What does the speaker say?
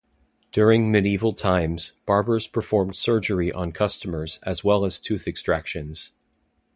During medieval times, barbers performed surgery on customers, as well as tooth extractions.